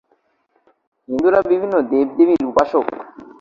হিন্দুরা বিভিন্ন দেব-দেবীর উপাসক।